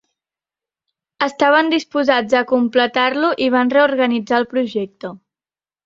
Estaven disposats a completar-lo i van reorganitzar el projecte.